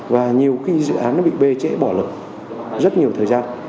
và nhiều khi dự án nó bị bê trễ bỏ lở rất nhiều thời gian